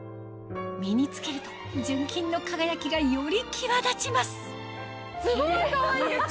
身に着けると純金の輝きがより際立ちますすごいかわいいですよ！